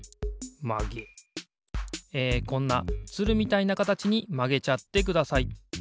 えこんなつるみたいなかたちにまげちゃってください。